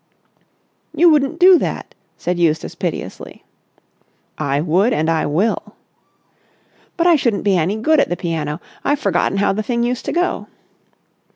"You wouldn't do that!" said Eustace piteously. "I would and will." "But I shouldn't be any good at the piano. I've forgotten how the thing used to go."